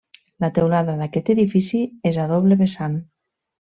La teulada d'aquest edifici és a doble vessant.